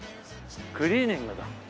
クリーニングだ。